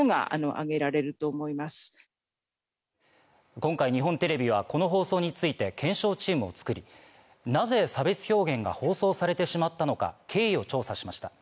今回、日本テレビはこの放送について検証チームを作り、なぜ差別表現が放送されてしまったのか経緯を調査しました。